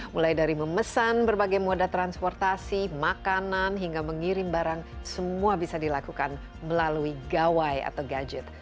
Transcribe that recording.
mulai dari memesan berbagai moda transportasi makanan hingga mengirim barang semua bisa dilakukan melalui gawai atau gadget